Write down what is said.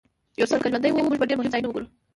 یوسف وویل که ژوند و موږ به ډېر مهم ځایونه وګورو.